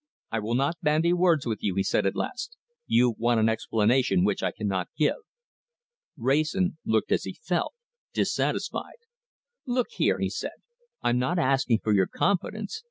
"I will not bandy words with you," he said at last. "You want an explanation which I cannot give." Wrayson looked as he felt, dissatisfied. "Look here," he said, "I'm not asking for your confidence.